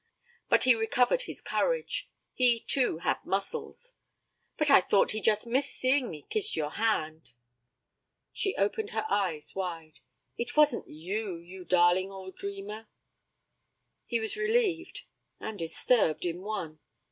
But he recovered his courage. He, too, had muscles. 'But I thought he just missed seeing me kiss your hand.' She opened her eyes wide. 'It wasn't you, you darling old dreamer.' He was relieved and disturbed in one.